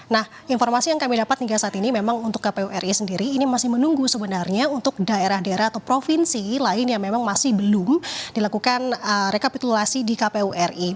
nah informasi yang kami dapat hingga saat ini memang untuk kpu ri sendiri ini masih menunggu sebenarnya untuk daerah daerah atau provinsi lain yang memang masih belum dilakukan rekapitulasi di kpu ri